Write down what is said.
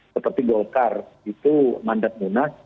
seperti golkar itu mandat munas